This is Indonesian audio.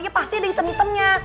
ya pasti ada hitam hitamnya